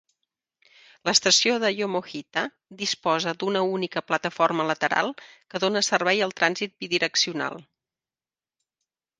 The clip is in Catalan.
L'estació de Yomogita disposa d'una única plataforma lateral que dona servei al trànsit bidireccional.